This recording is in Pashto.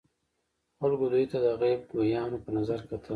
خلکو دوی ته د غیب ګویانو په نظر کتل.